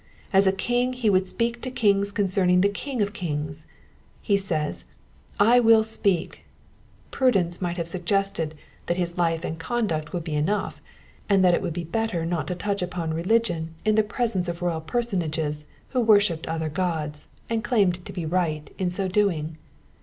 As a king he would speak to kings concern ing the King of kings. He says, / will speak ^\' prudence might have suggested that his life and conduct would be enough, and that it would be better not to touch upon religion in the presence of royal personages who worshipped other gods, and claimed to be right in so doing.